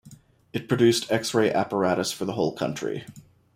It produced x-ray apparatus for the whole country.